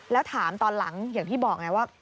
แล้วถามตอนหลังอย่างที่บอกไงว่า